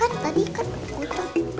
kan tadi kan kutuk